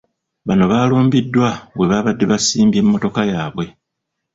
Bano baalumbiddwa webaabadde baasimbye mmotoka yaabwe.